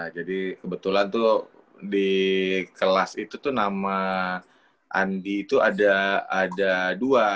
jadi kebetulan tuh di kelas itu tuh nama andi itu ada dua